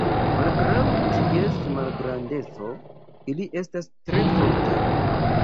Malgraŭ ties malgrandeco, ili estas tre fortaj.